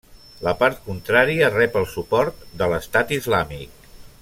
La part contrària rep el suport de l'Estat Islàmic.